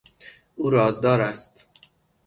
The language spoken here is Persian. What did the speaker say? او رازدار است.